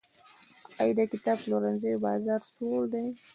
آیا د کتاب پلورنځیو بازار سوړ دی؟